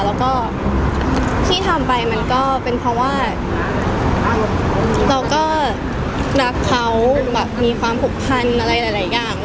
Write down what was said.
แล้วก็ที่ทำไปก็เป็นเพราะว่าเราก็รักเขามีความปรุปภัณฑ์อะไรหลายอย่าง